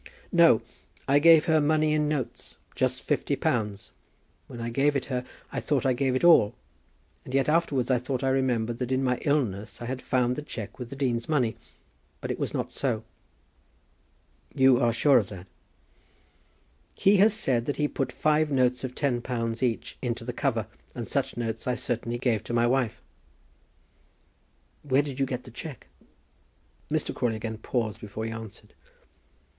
"No; I gave her money in notes, just fifty pounds. When I gave it her, I thought I gave it all; and yet afterwards I thought I remembered that in my illness I had found the cheque with the dean's money. But it was not so." "You are sure of that?" "He has said that he put five notes of £10 each into the cover, and such notes I certainly gave to my wife." "Where then did you get the cheque?" Mr. Crawley again paused before he answered.